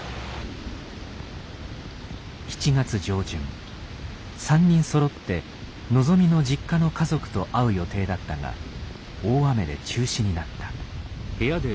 ７月上旬３人そろって望の実家の家族と会う予定だったが大雨で中止になった。